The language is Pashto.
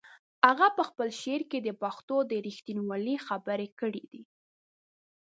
هغه په خپل شعر کې د پښتنو د رښتینولۍ خبرې کړې دي.